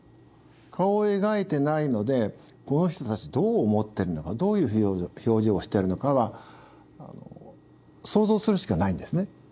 顔を描いてないのでこの人たちどう思ってるのかどういう表情をしてるのかは想像するしかないんですね。